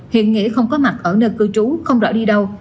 hiện nghĩa không có mặt ở nơi cư trú không rõ đi đâu